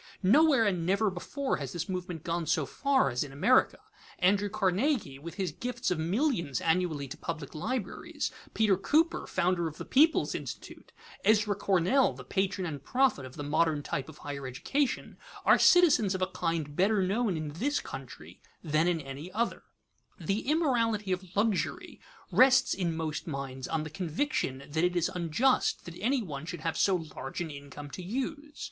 Nowhere and never before has this movement gone so far as in America. Andrew Carnegie, with his gifts of millions annually to public libraries; Peter Cooper, founder of the People's Institute; Ezra Cornell, the patron and prophet of the modern type of higher education are citizens of a kind better known in this country than in any other. [Sidenote: Justice of the large income] [Sidenote: Legal repression of luxury inadvisable] The immorality of luxury rests in most minds on the conviction that it is unjust that any one should have so large an income to use.